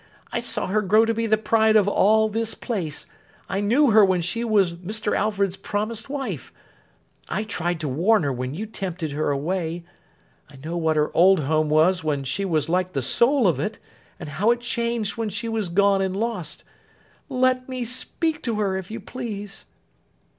I saw her grow to be the pride of all this place. I knew her when she was Mr. Alfred's promised wife. I tried to warn her when you tempted her away. I know what her old home was when she was like the soul of it, and how it changed when she was gone and lost. Let me speak to her, if you please!